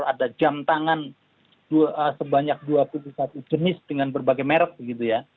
ada jam tangan sebanyak dua puluh satu jenis dengan berbagai merek begitu ya